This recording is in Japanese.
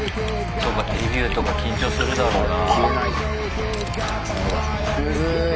そうかデビューとか緊張するだろうな。